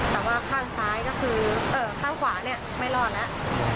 แต่ว่าข้างซ้ายก็คือข้างขวาเนี่ยไม่รอดแล้ว